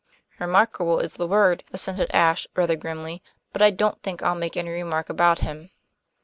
"Remarkable is the word," assented Ashe rather grimly. "But I don't think I'll make any remark about him."